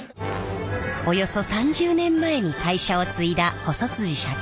およそ３０年前に会社を継いだ細社長。